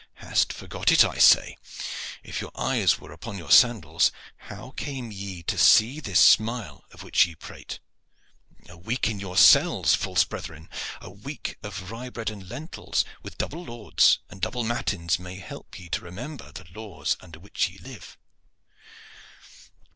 Hast forgot it, I say? If your eyes were upon your sandals, how came ye to see this smile of which ye prate? A week in your cells, false brethren, a week of rye bread and lentils, with double lauds and double matins, may help ye to remembrance of the laws under which ye live."